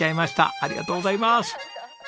ありがとうございます！